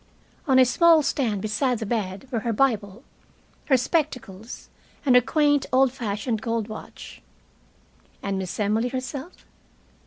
On a small stand beside the bed were her Bible, her spectacles, and her quaint old fashioned gold watch. And Miss Emily herself?